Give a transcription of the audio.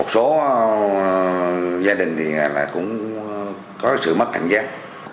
số gia đình thì cũng có sự mất cảm giác